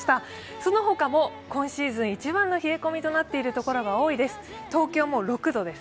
そのほかも今シーズン一番の冷え込みとなっているところが多いです。